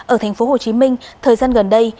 ở tp hcm thời gian gần đây